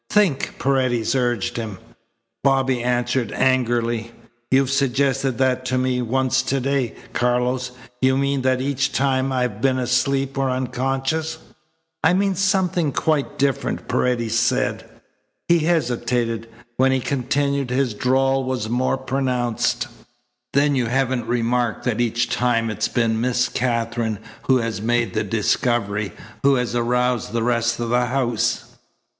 "Think," Paredes urged him. Bobby answered angrily: "You've suggested that to me once to day, Carlos. You mean that each time I have been asleep or unconscious." "I mean something quite different," Paredes said. He hesitated. When he continued, his drawl was more pronounced. "Then you haven't remarked that each time it has been Miss Katherine who has made the discovery, who has aroused the rest of the house?"